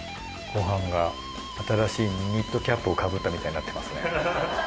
ごはんが新しいニットキャップを被ったみたいになってますね。